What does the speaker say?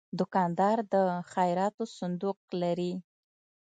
دوکاندار د خیراتو صندوق لري.